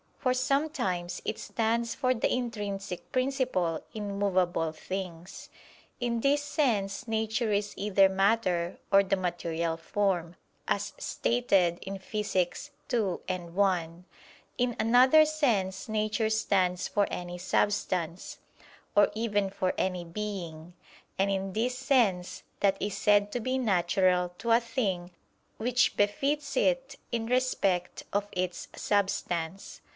For sometimes it stands for the intrinsic principle in movable things. In this sense nature is either matter or the material form, as stated in Phys. ii, 1. In another sense nature stands for any substance, or even for any being. And in this sense, that is said to be natural to a thing which befits it in respect of its substance.